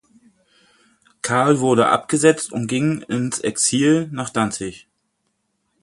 Karl wurde abgesetzt und ging ins Exil nach Danzig.